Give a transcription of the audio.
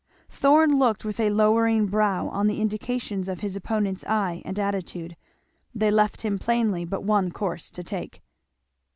Thorn looked with a lowering brow on the indications of his opponent's eye and attitude; they left him plainly but one course to take.